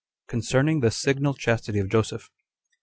Concerning The Signal Chastity Of Joseph.